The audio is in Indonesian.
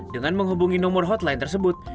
dengan menghubungi nomor hotline tersebut